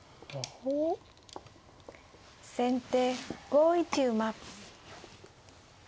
先手５一馬。